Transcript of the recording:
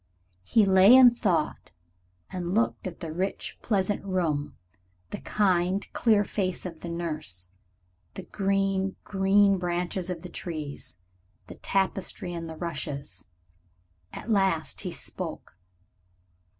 He lay and thought, and looked at the rich, pleasant room, the kind, clear face of the nurse, the green, green branches of the trees, the tapestry and the rushes. At last he spoke.